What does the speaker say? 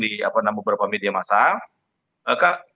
di beberapa media masa